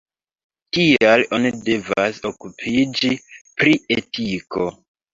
Tial oni devas okupiĝi pri etiko.